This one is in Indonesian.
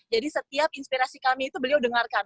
jadi setiap inspirasi kami itu beliau dengarkan